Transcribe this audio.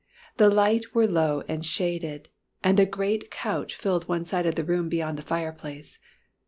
The light were low and shaded, and a great couch filled one side of the room beyond the fireplace.